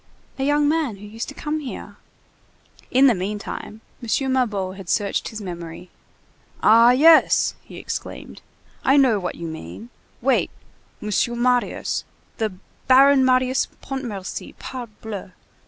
"A young man who used to come here." In the meantime, M. Mabeuf had searched his memory. "Ah! yes—" he exclaimed. "I know what you mean. Wait! Monsieur Marius—the Baron Marius Pontmercy, parbleu!